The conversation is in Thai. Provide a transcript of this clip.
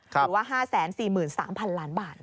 หรือว่า๕๔๓๐๐๐ล้านบาท